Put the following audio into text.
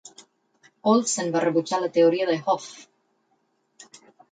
Olsen va rebutjar la teoria de Hof.